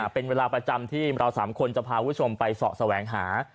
เป็นเวลาประจำที่เรา๓คนจะพาคุณผู้ชมไปเสาะแสวงหา